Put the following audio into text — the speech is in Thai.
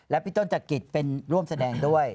และพี่ต้นจักริตเป็นร่วมแสดงด้วย